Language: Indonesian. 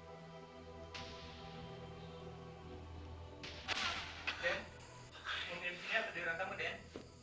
den mau di sini atau di depan kamu den